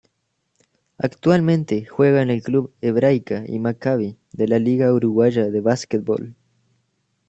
Actualmente juega en el club Hebraica y Maccabi de la Liga Uruguaya de Básquetbol.